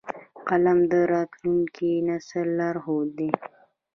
قلم د راتلونکي نسل لارښود دی